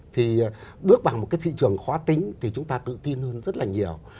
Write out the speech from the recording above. thì bước vào một cái thị trường khó tính thì chúng ta tự tin hơn